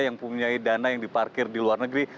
yang punya dana yang diparkir di luar negeri